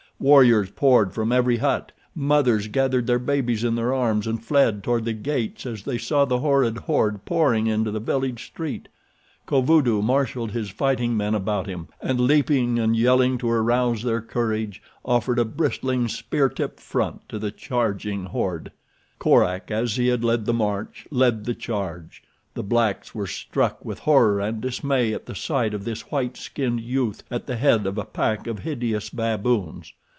Warriors poured from every hut. Mothers gathered their babies in their arms and fled toward the gates as they saw the horrid horde pouring into the village street. Kovudoo marshaled his fighting men about him and, leaping and yelling to arouse their courage, offered a bristling, spear tipped front to the charging horde. Korak, as he had led the march, led the charge. The blacks were struck with horror and dismay at the sight of this white skinned youth at the head of a pack of hideous baboons.